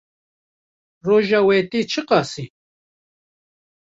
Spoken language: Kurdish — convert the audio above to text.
Roja wê tê çi qasî?